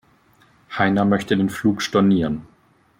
Heiner möchte den Flug stornieren.